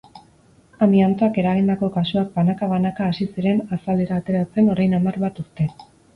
Amiantoak eragindako kasuak banaka-banaka hasi ziren azalera ateratzen orain hamar bat urte.